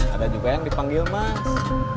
ada juga yang dipanggil mas